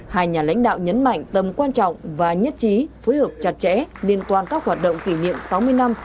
hai nhà lãnh đạo nhấn mạnh tầm quan trọng và nhất trí phối hợp chặt chẽ liên quan các hoạt động kỷ niệm sáu mươi năm